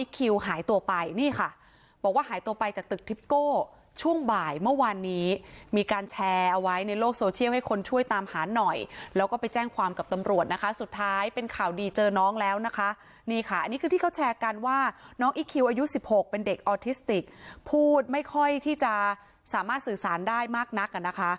ก็แชร์กันว่าน้องอิ๊กคิวอายุสิบหกเป็นเด็กออทิสติกพูดไม่ค่อยที่จะสามารถสื่อสารได้มากนักอ่ะนะคะ